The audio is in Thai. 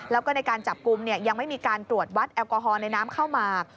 แล้วก็ในการจับกลุ่มยังไม่มีการตรวจวัดแอลกอฮอลในน้ำข้าวหมาก